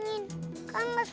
terus kabur ya